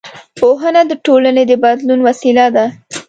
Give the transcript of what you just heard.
پوهنه د ټولنې د بدلون وسیله ده